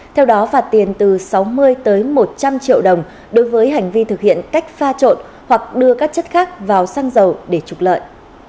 theo đó phạt tiền từ sáu mươi tới một trăm linh triệu đồng đối với hành vi thực hiện cách pha trộn hoặc đưa các chất khác vào xăng dầu để trục lợi